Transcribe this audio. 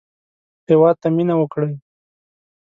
هېواد ته مېنه وکړئ